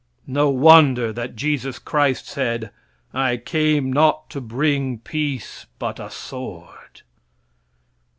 No wonder that Jesus Christ said, "I came not to bring peace but a sword!"